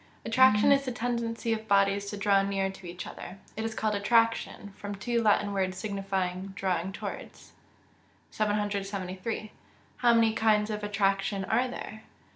_ Attraction is the tendency of bodies to draw near to each other. It is called attraction, from two Latin words signifying drawing towards. 773. _How many kinds of attraction are there?